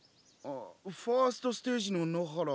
ファファーストステージの野原。